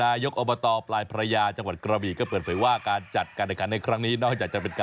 อัลบั้มพี่แจ้ทองคำ